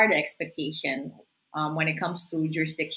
ketika berkaitan dengan juridikasi